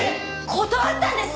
断ったんですか？